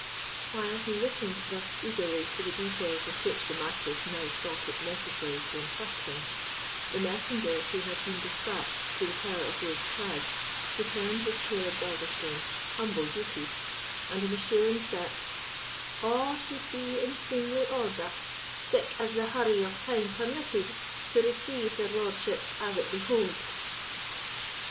While he listened thus eagerly to the details with which the Marquis now thought it necessary to entrust him, the messenger who had been despatched to the Tower of Wolf's Crag returned with Caleb Balderstone's humble duty, and an assurance that "a' should be in seemly order, sic as the hurry of time permitted, to receive their lordships as it behoved."